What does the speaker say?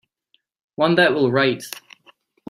One that will write.